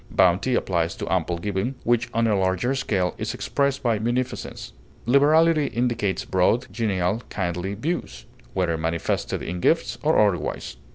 Bounty applies to ample giving, which on a larger scale is expressed by munificence. Liberality indicates broad, genial kindly views, whether manifested in gifts or otherwise.